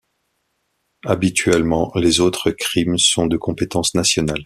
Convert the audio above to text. Habituellement, les autres crimes sont de compétence nationale.